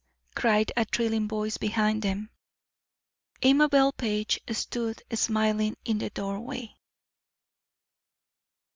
cried a thrilling voice behind them. Amabel Page stood smiling in the doorway.